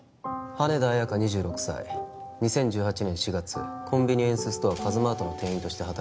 「羽田綾華２６歳」「２０１８年４月コンビニエンスストアカズマートの店員として働くも」